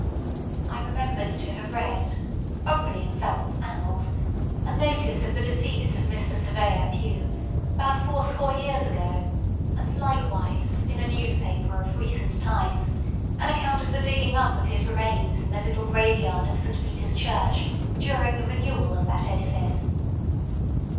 I remembered to have read (probably in Felt's "Annals") a notice of the decease of Mr. Surveyor Pue, about fourscore years ago; and likewise, in a newspaper of recent times, an account of the digging up of his remains in the little graveyard of St. Peter's Church, during the renewal of that edifice.